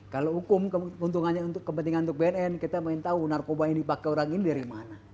kalau hukum kepentingan untuk bnn kita ingin tahu narkoba yang dipakai orang ini dari mana